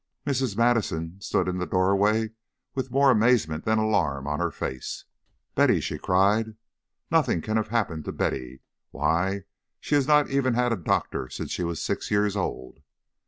Mrs. Madison stood in the doorway with more amazement than alarm on her face. "Betty?" she cried. "Nothing can have happened to Betty! Why, she has not even had a doctor since she was six years old."